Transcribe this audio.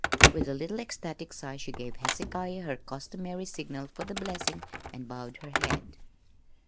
With a little ecstatic sigh she gave Hezekiah her customary signal for the blessing and bowed her head.